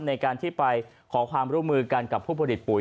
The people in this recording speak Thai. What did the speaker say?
ในการที่ไปขอความร่วมมือกันกับผู้ผลิตปุ๋ย